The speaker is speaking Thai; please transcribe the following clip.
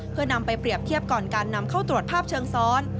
เพื่อนำไปเปรียบเทียบก่อนการนำเข้าตรวจภาพเชิงซ้อน